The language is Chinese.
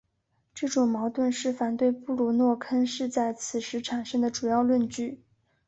这种矛盾是反对布鲁诺坑是在此时产生的主要论据。